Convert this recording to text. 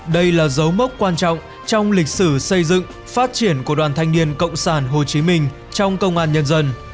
đây là dấu mốc quan trọng trong lịch sử xây dựng phát triển của đoàn thanh niên cộng sản hồ chí minh trong công an nhân dân